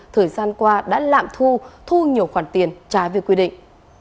thời gian qua đã lạm thu thu nhiều khoản tiền trái về quy định